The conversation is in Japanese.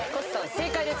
正解です。